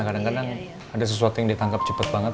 kadang kadang ada sesuatu yang ditangkap cepat banget